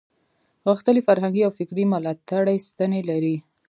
غښتلې فرهنګي او فکري ملاتړې ستنې لري.